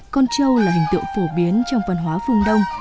con châu là hình tượng phổ biến trong văn hóa phương đông